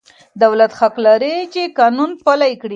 دولت حق لري چي قانون پلي کړي.